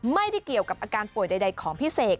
ไม่ได้เกี่ยวกับอาการป่วยใดของพี่เสก